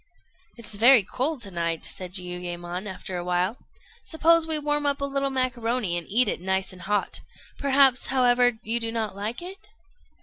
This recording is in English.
"It's very cold to night," said Jiuyémon, after a while; "suppose we warm up a little macaroni, and eat it nice and hot. Perhaps, however, you do not like it?"